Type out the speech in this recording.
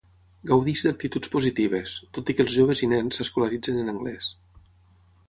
Gaudeix d'actituds positives, tot i que els joves i nens s'escolaritzen en anglès.